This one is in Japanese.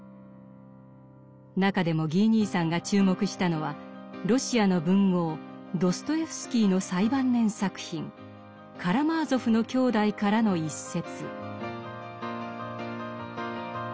中でもギー兄さんが注目したのはロシアの文豪ドストエフスキーの最晩年作品「カラマーゾフの兄弟」からの一節。